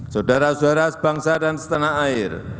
saudara saudara sebangsa dan setanah air